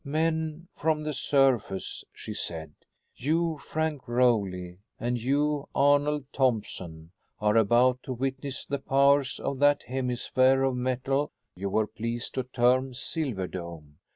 "Men from the surface," she said, "you, Frank Rowley, and you, Arnold Thompson, are about to witness the powers of that hemisphere of metal you were pleased to term 'Silver Dome.'